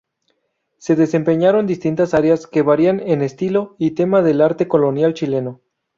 Se desempeñaron distintas áreas que varían en estilo y tema del arte colonial chileno.